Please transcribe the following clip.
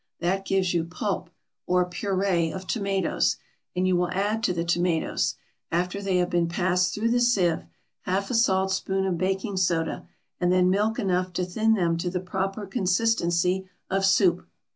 That gives you pulp, or puree, of tomatoes. And you will add to the tomatoes, after they have been passed through the sieve, half a salt spoon of baking soda, and then milk enough to thin them to the proper consistency of soup.